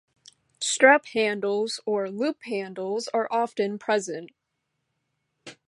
Strap handles or loop handles are often present.